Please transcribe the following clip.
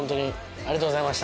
ありがとうございます。